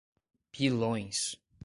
Pilões